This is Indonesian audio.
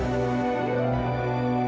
saya ingin mengambil alih dari diri saya